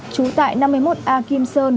trú tại năm mươi một a kim sơn